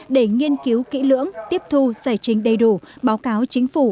để nghiên cứu kỹ lưỡng tiếp thu giải trình đầy đủ báo cáo chính phủ